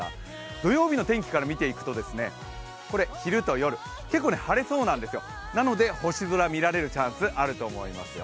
土曜日の天気から見ていくとこれ昼と夜、結構、晴れそうなんですよなので星空見られるチャンスあると思いますよ。